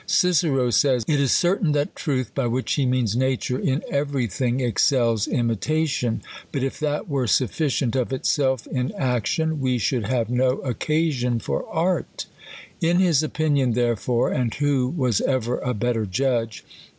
Cicero says, " It is certain that truth (by which he means nature) in every thing excels, imita tion ; but if that \\ei:e sufficient of itself in action, we should have no occasion for art." In his opinion therefore (and who was ever a better judge